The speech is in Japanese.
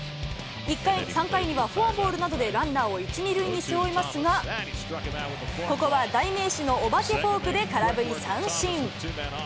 ３回にはフォアボールなどでランナーを１、２塁に背負いますが、ここは代名詞のお化けフォークで空振り三振。